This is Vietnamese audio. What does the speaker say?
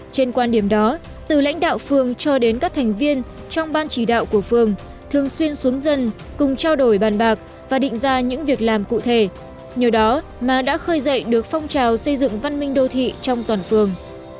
trên quan điểm đó từ lãnh đạo phường cho đến các thành viên trong ban chỉ đạo của phường thường xuyên xuống dân cùng trao đổi bàn bạc và định ra những việc làm cụ thể nhờ đó mà đã khơi dậy được phong trào xây dựng văn minh đô thị trong toàn phường